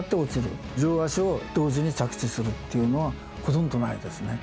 両足を同時に着地するっていうのはほとんどないですね。